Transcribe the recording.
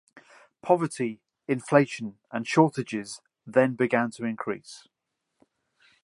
Poverty, inflation and shortages then began to increase.